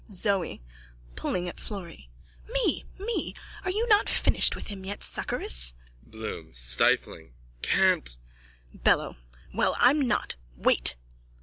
ZOE: (Pulling at Florry.) Me. Me. Are you not finished with him yet, suckeress? BLOOM: (Stifling.) Can't. BELLO: Well, I'm not. Wait.